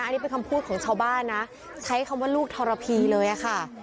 อันนี้เป็นคำพูดของชาวบ้านนะใช้คำว่าลูกทรพีเลยค่ะ